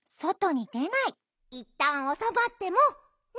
いったんおさまってもね！